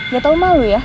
gak tau malu ya